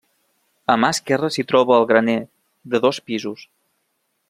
A mà esquerra s'hi troba el graner, de dos pisos.